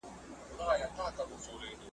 د پاکستان حکومت پر ده باندي